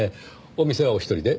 お店はお一人で？